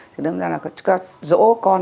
thì đưa ra là dỗ con